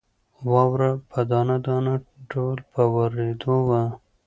واوره په دانه دانه ډول په وورېدو وه.